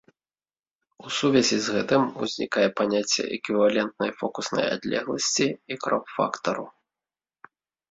У сувязі з гэтым узнікае паняцце эквівалентнай фокуснай адлегласці і кроп-фактару.